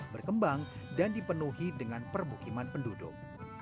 berkembang dan dipenuhi dengan permukiman penduduk